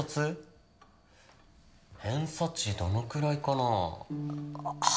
偏差値どのくらいかな。は？